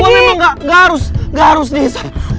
setau gue memang nggak harus nggak harus dihisap